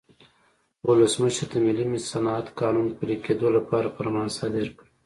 ولسمشر د ملي صنعت قانون پلي کېدو لپاره فرمان صادر کړ.